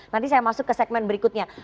nanti saya masuk ke segmen berikutnya